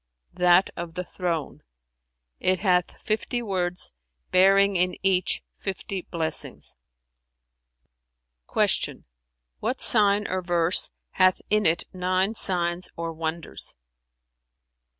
"That of the Throne; it hath fifty words, bearing in each fifty blessings." Q "What sign or verse hath in it nine signs or wonders?"